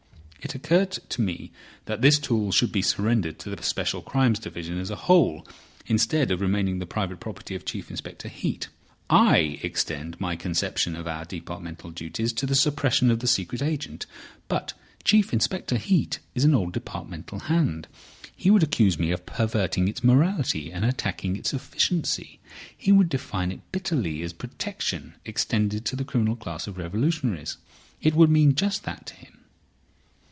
It occurred to me that this tool should be surrendered to the Special Crimes division as a whole, instead of remaining the private property of Chief Inspector Heat. I extend my conception of our departmental duties to the suppression of the secret agent. But Chief Inspector Heat is an old departmental hand. He would accuse me of perverting its morality and attacking its efficiency. He would define it bitterly as protection extended to the criminal class of revolutionists. It would mean just that to him."